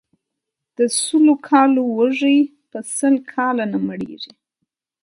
د سلو کالو وږى ، په سل کاله نه مړېږي.